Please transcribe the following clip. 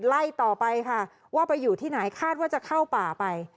ไล่ต่อไปค่ะว่าไปอยู่ที่ไหนคาดว่าจะเข้าป่าไป